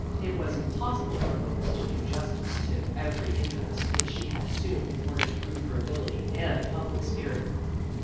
It was impossible for Lois to do justice to every interest which she had assumed in order to prove her ability and public spirit.